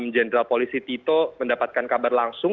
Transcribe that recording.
jenderal polisi tito mendapatkan kabar langsung